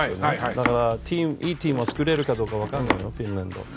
だからいいチームを作れるかどうか分からないフィンランド。